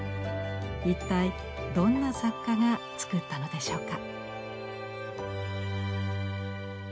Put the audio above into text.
一体どんな作家が作ったのでしょうか？